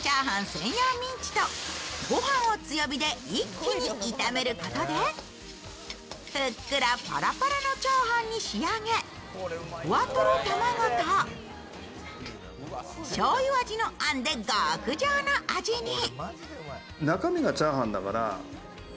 専用ミンチと御飯を強火で一気に炒めることでふっくらパラパラのチャーハンに仕上げ、ふわとろ卵としょうゆ味のあんで極上の味に。